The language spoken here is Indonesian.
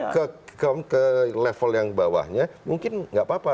kalau ke level yang bawahnya mungkin gak apa apa